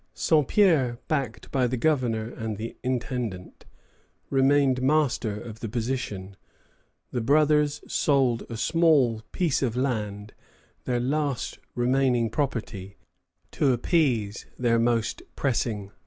Saint Pierre, backed by the Governor and the Intendant, remained master of the position. The brothers sold a small piece of land, their last remaining property, to appease their most pressing creditors.